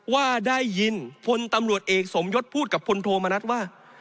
ว่าได้ยินพลตำรวจเอกสมยศพูดกับพลโทมนัฐว่า